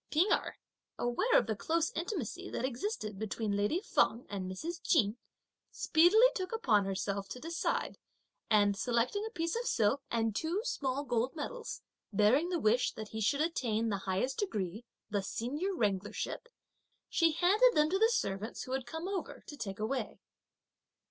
P'ing Erh, aware of the close intimacy that existed between lady Feng and Mrs. Ch'in, speedily took upon herself to decide, and selecting a piece of silk, and two small gold medals, (bearing the wish that he should attain) the highest degree, the senior wranglership, she handed them to the servants who had come over, to take away.